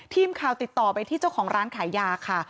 ทีมข่าวติดต่อไปที่เจ้าของร้านขายยาค่ะ